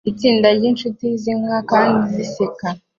Itsinda ryinshuti zinywa kandi ziseka